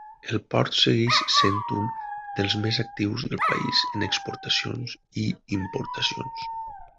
El port segueix sent un dels més actius del país en exportacions i importacions.